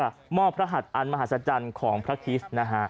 เลือกว่าม่อพระหัตน์อันมหาศจรรย์ของพระคริสต์